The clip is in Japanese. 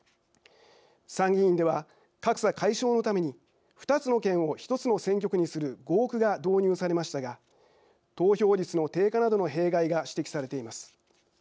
参議院では、格差解消のために２つの県を１つの選挙区にする合区が導入されましたが投票率の低下などの弊害が指摘されています。